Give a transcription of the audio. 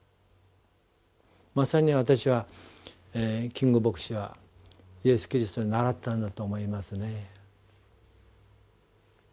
まさに私はキング牧師はイエス・キリストに倣ったんだと思いますね。